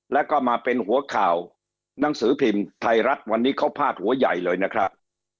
แล้วก็มาเป็นหัวข่าวหนังสือพิมพ์ไทยรัฐวันนี้เขาพาดหัวใหญ่เลยนะครับ